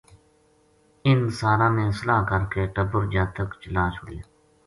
اِنھ ساراں نے صلاح کر کے ٹَبر جاتک چلا چھُڑیا